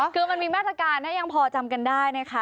คือมันมีมาตรการนะยังพอจำกันได้นะคะ